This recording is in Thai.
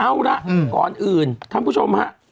เอาละก่อนอื่นท่านผู้ชมฮะ